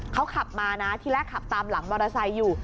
เขาขับมานะที่แรกขับตามหลังมอเตอร์ไซค์อยู่